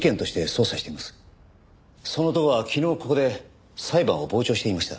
その男は昨日ここで裁判を傍聴していました。